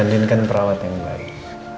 din kan perawat yang baik